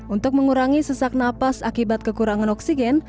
untuk mengurangi sesak napas akibat kekurangan oksigen